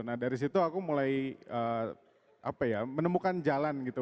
nah dari situ aku mulai menemukan jalan gitu